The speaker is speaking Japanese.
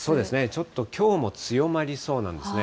ちょっときょうも強まりそうなんですね。